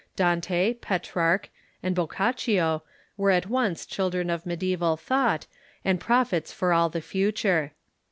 Dante, Petrarch, and Boccaccio were at once chil dren of media3val thought, and prophets for all the future.